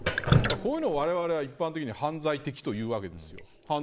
こういうのをわれわれは一般的には犯罪的、というわけです。